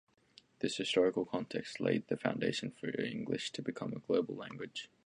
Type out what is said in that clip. This historical context laid the foundation for English to become a global language.